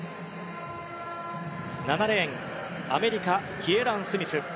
７レーン、アメリカキエラン・スミス。